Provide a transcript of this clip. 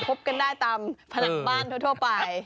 พบกันได้ตามผนังบ้านทั่วไป